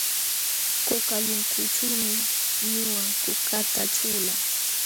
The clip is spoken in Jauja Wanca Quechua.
Kukalunkućhuumi ñuqa kukata ćhulaa.